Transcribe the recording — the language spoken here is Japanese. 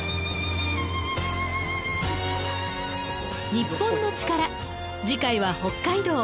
『日本のチカラ』次回は北海道。